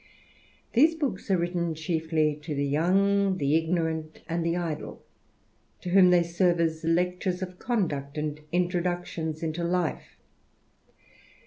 These books are written chiefly to the young, the ignorant, and the idl^ to whom they serve as lectures of conduct, and intro ductions into life.